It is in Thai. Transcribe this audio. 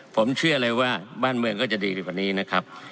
ผมเชื่อเลยว่าบ้านเมืองก็จะดีไปกว่านี้นะครับ